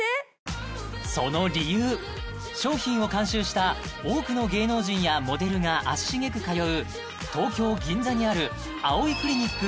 その理由商品を監修した多くの芸能人やモデルが足しげく通う東京・銀座にあるあおいクリニック